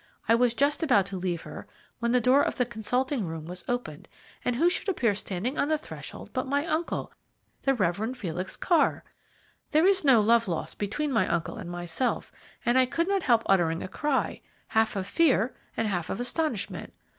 I was just about to leave her when the door of the consulting room was opened, and who should appear standing on the threshold but my uncle, the Rev. Felix Carr! There is no love lost between my uncle and myself, and I could not help uttering a cry, half of fear and half of astonishment.